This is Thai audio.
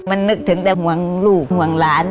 มันนึกถึงแต่ห่วงลูกห่วงหลาน